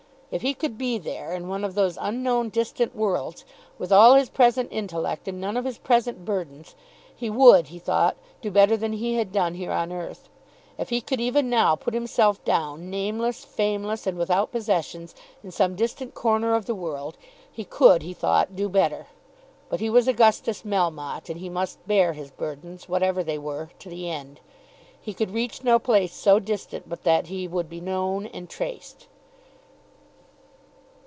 If he could be there, in one of those unknown distant worlds, with all his present intellect and none of his present burdens, he would, he thought, do better than he had done here on earth. If he could even now put himself down nameless, fameless, and without possessions in some distant corner of the world, he could, he thought, do better. But he was Augustus Melmotte, and he must bear his burdens, whatever they were, to the end. He could reach no place so distant but that he would be known and traced.